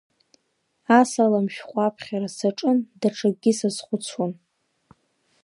Асалам шәҟәы аԥхьара саҿын, даҽакгьы сазхәыцуан.